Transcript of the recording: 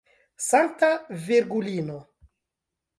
Sankta Virgulino!